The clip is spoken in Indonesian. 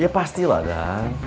ya pasti lah dan